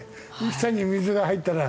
下に水が入ったら。